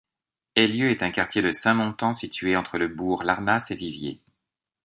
Eylieu est un quartier de Saint-Montan situé entre le bourg, Larnas et Viviers.